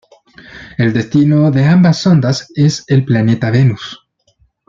El destino de ambas sondas es el planeta Venus.